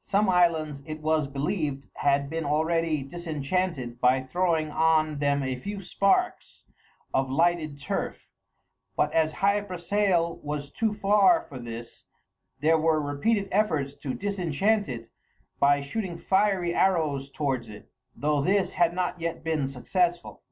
Some islands, it was believed, had been already disenchanted by throwing on them a few sparks of lighted turf; but as Hy Brasail was too far for this, there were repeated efforts to disenchant it by shooting fiery arrows towards it, though this had not yet been successful.